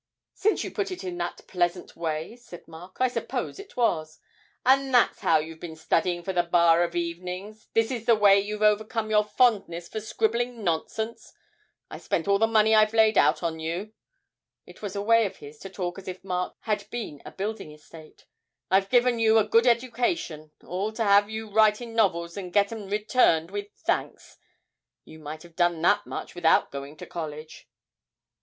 'Since you put it in that pleasant way,' said Mark, 'I suppose it was.' 'And that's how you've been studying for the Bar of evenings, this is the way you've overcome your fondness for scribbling nonsense? I've spent all the money I've laid out on you' (it was a way of his to talk as if Mark had been a building estate), 'I've given you a good education, all to 'ave you writing novels and get 'em "returned with thanks!" you might have done that much without going to College!'